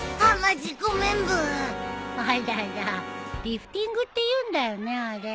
リフティングっていうんだよねあれ。